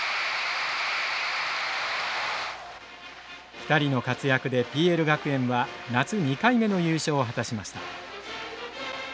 ２人の活躍でＰＬ学園は夏２回目の優勝を果たしました。